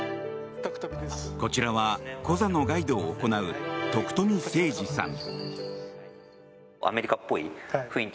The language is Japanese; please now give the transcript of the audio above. こちらはコザのガイドを行う徳富清次さん。